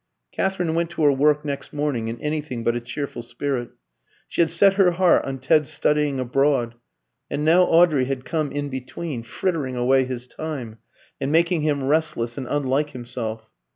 Katherine went to her work next morning in anything but a cheerful spirit. She had set her heart on Ted's studying abroad; and now Audrey had come in between, frittering away his time, and making him restless and unlike himself.